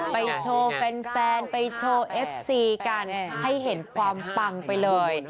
โชว์แฟนไปโชว์เอฟซีกันให้เห็นความปังไปเลย